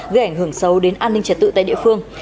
gây ảnh hưởng sâu đến an ninh trật tự tại địa phương